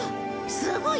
すごい！